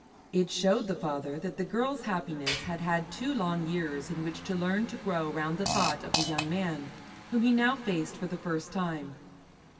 It showed the father that the Girl's happiness had had two long years in which to learn to grow round the thought of the young man, whom he now faced for the first time.